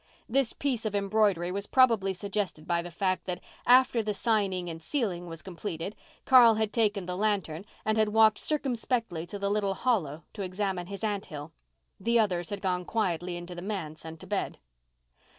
This piece of embroidery was probably suggested by the fact that, after the signing and sealing was completed, Carl had taken the lantern and had walked circumspectly to the little hollow to examine his ant hill. The others had gone quietly into the manse and to bed.